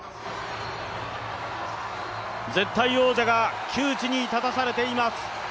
絶対王者が窮地に立たされています。